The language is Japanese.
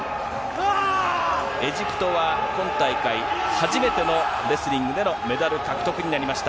エジプトは今大会、初めてのレスリングでのメダル獲得になりました。